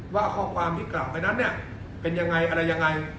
ว่าข้อความที่กลับไปนั้นเนี่ยเป็นยังไงอะไรยังไง